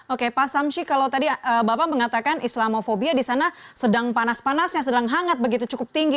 oke pak samshi kalau tadi bapak mengatakan islamofobia di sana sedang panas panasnya sedang hangat begitu cukup tinggi